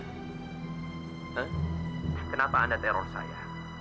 kenapa anda teror saya